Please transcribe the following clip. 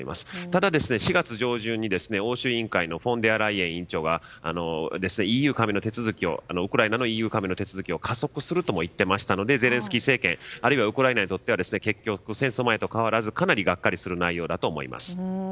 ただ、４月上旬に欧州委員会のフォンデアライエン委員長がウクライナのＥＵ加盟の手続きを加速するとも言ってましたのでゼレンスキー政権あるいはウクライナにとっては結局戦争前と変わらずかなりがっかりする内容だと思います。